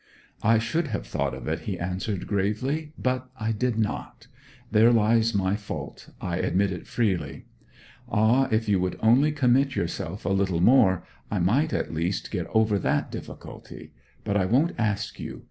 'I should have thought of it,' he answered gravely. 'But I did not. There lies my fault, I admit it freely. Ah, if you would only commit yourself a little more, I might at least get over that difficulty! But I won't ask you.